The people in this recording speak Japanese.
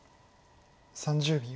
３０秒。